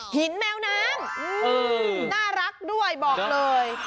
แมวน้ำน่ารักด้วยบอกเลย